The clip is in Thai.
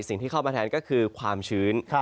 สิ่งที่เข้ามาแทนก็คือความชื้น